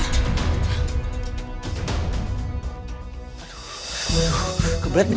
aduh kebelet nih